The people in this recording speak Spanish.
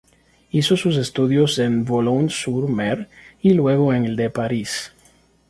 Hizo sus estudios en Boulogne-sur-Mer, y luego en el de París.